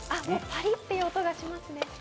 パリって音がしますね。